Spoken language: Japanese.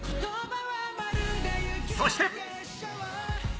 そして。